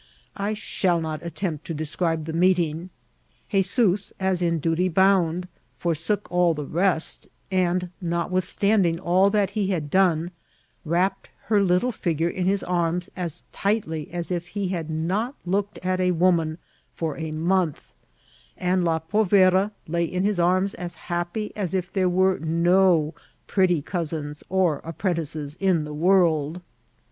I shall not attempt to describe the meeting. *Hezoos, as in duty bound, forsook all the rest, and notwithstanding all that he had done, wrapped her little figure in his arms as tightly as if he had not looked at a woman for a month; and la povera lay in his arms as happy as if there were no pretty cousins or apprentices in the world.